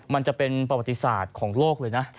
มันจะเป็นประวัติศาสตร์ของโลกเลยนะ